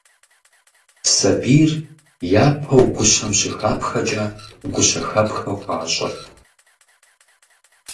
Сабийр япэу гущэм щыхапхэкӀэ гущэхэпхэ хуащӀырт.